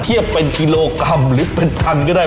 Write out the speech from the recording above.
เทียบเป็นกิโลกรัมหรือเป็นพันก็ได้